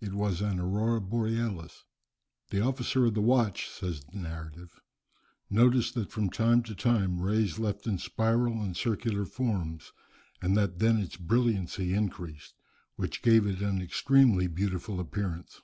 It was an aurora borealis. "The officer of the watch," says the narrative, "noticed that from time to time rays left it in spiral and circular forms, and that then its brilliancy increased, which gave it an extremely beautiful appearance.